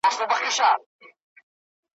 مُلایانو به زکات ولي خوړلای ,